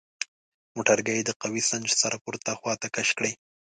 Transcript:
موټرګی د قوه سنج سره پورته خواته کش کړئ.